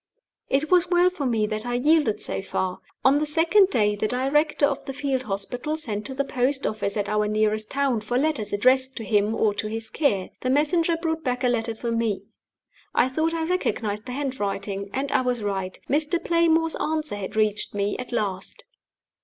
It was well for me that I yielded so far. On the second day the director of the field hospital sent to the post office at our nearest town for letters addressed to him or to his care. The messenger brought back a letter for me. I thought I recognized the handwriting, and I was right. Mr. Playmore's answer had reached me at last!